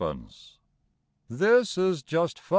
This is just 5s.